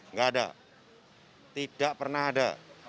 nggak ada tidak pernah ada